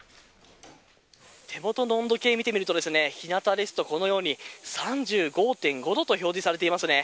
手元の温度計を見てみると日なたですと、このように３５．５度と表示されていますね。